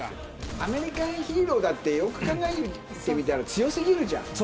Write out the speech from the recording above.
アメリカンヒーローだってよく考えてみたら強過ぎる。